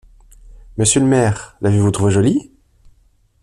Monsieur le maire, l’avez-vous trouvée jolie?